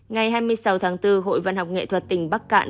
ngày hai mươi sáu tháng bốn hội văn học nghệ thuật tỉnh bắc cạn